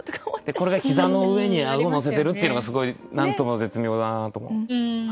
これが膝の上に顎のせてるっていうのがすごい何とも絶妙だなと。